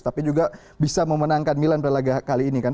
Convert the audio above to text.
tapi juga bisa memenangkan milan pelaga kali ini kan